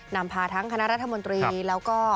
นำพาทั้งคณะรัฐมนตรีแล้วก็